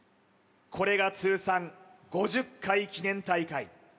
これが通算５０回記念大会